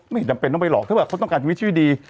ไม่จำเป็นต้องไปหรอกเขาต้องการชีวิตชีวิตดี